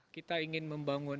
kita ingin membangun